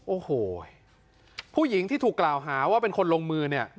โอ้โหผู้หญิงที่ถูกกล่าวหาว่าเป็นคนลงมือเนี่ย